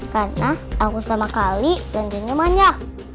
karena aku sama kali janjiannya banyak